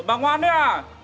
bà ngoan đấy à